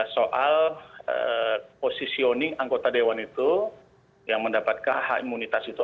soal posisioning anggota dewan itu yang mendapatkan hak imunitas itu